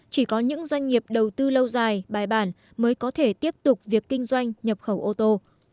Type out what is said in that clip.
chỉ có những doanh nghiệp đầu tư lâu dài bài bản mới có thể tiếp tục việc kinh doanh nhập khẩu ô tô